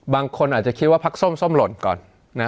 บางคนอาจจะคิดว่าภักดิ์ส้มส้มหล่นก่อนนะ